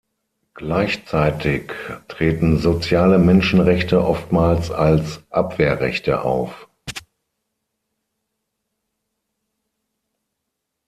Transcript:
Gleichzeitig treten soziale Menschenrechte oftmals als "Abwehrrechte" auf.